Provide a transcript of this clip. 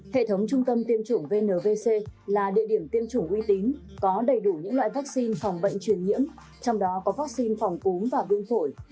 hệ thống trung tâm tiêm chủng vnvc là địa điểm tiêm chủng uy tín có đầy đủ những loại vaccine phòng bệnh truyền nhiễm trong đó có vaccine phòng cúm và viêm phổi